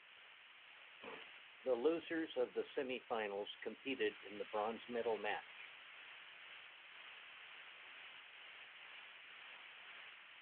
The losers of the semifinals competed in the bronze medal match.